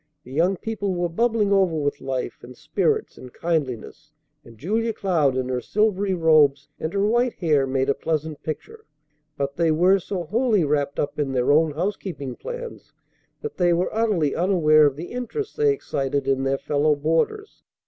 The young people were bubbling over with life and spirits and kindliness, and Julia Cloud in her silvery robes and her white hair made a pleasant picture. But they were so wholly wrapped up in their own housekeeping plans that they were utterly unaware of the interest they excited in their fellow boarders.